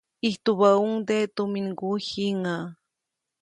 Ijtubäʼuŋnde tuminŋguy jiŋäʼ.